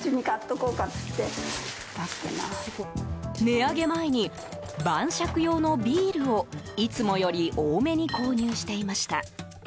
値上げ前に、晩酌用のビールをいつもより多めに購入していました。